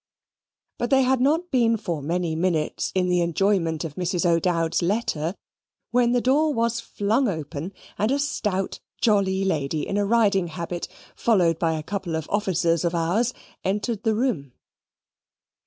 But they had not been for many minutes in the enjoyment of Mrs. O'Dowd's letter, when the door was flung open, and a stout jolly lady, in a riding habit, followed by a couple of officers of Ours, entered the room.